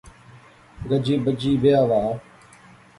گجی بجی بیاہ وہا